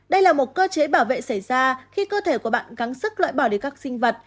đây là một cơ chế bảo vệ xảy ra khi cơ thể của bạn gắn sức loại bỏ để các sinh vật